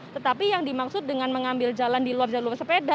tetapi yang dimaksud dengan mengambil jalan di luar jalur sepeda